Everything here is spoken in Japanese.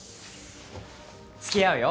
付き合うよ